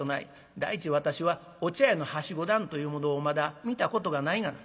第一私はお茶屋のはしご段というものをまだ見たことがないがな」。